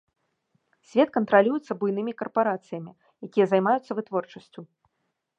Свет кантралюецца буйнымі карпарацыямі, якія займаюцца вытворчасцю.